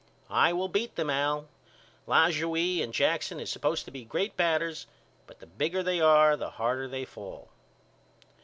I will beat them Al. Lajoie and Jackson is supposed to be great batters but the bigger they are the harder they fall.